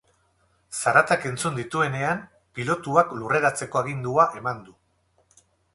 Zaratak entzun dituenean, pilotuak lurreratzeko agindua eman du.